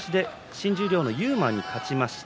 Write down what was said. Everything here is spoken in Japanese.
新十両の輝鵬、勝ちました。